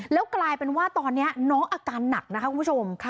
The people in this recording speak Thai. แล้วกลายเป็นว่าตอนนี้น้องอาการหนักนะคะคุณผู้ชม